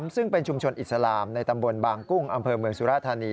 ซึ่งเป็นชุมชนอิสลามในตำบลบางกุ้งอำเภอเมืองสุราธานี